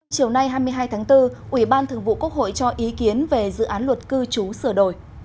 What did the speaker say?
chiều nay hai mươi hai tháng bốn ủy ban thường vụ quốc hội cho ý kiến về dự án luật cư trú sửa đổi